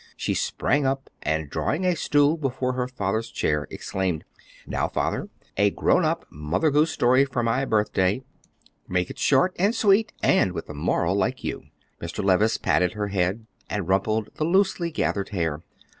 She sprang up, and drawing a stool before her father's chair, exclaimed, "Now, Father, a grown up Mother Goose story for my birthday; make it short and sweet and with a moral like you." Mr. Levice patted her head and rumpled the loosely gathered hair.